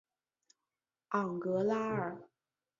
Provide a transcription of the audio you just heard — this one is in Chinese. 昂格拉尔。